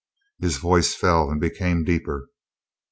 His voice fell and became deeper.